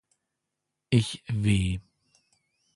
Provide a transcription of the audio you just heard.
Ich w